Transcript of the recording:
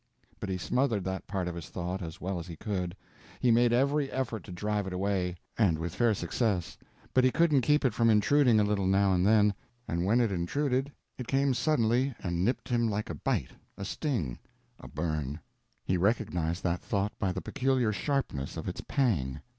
But he smothered that part of his thought as well as he could; he made every effort to drive it away, and with fair success, but he couldn't keep it from intruding a little now and then, and when it intruded it came suddenly and nipped him like a bite, a sting, a burn. He recognized that thought by the peculiar sharpness of its pang.